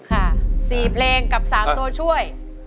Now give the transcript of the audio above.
๔เพลงกับ๓ตัวช่วย